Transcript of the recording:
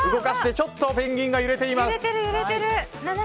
ちょっとペンギンが揺れています。